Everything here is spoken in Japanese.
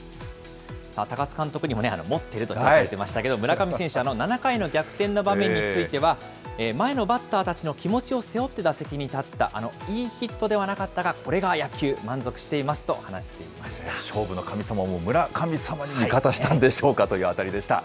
高津監督にも持ってると言われてましたけど、村上選手、７回の逆転の場面については、前のバッターたちの気持ちを背負って打席に立った、いいヒットではなかったが、これが野球、満足しています勝負の神様も、村神様に味方したんでしょうかという当たりでした。